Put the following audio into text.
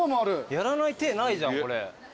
やらない手ないじゃん。